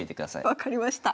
分かりました。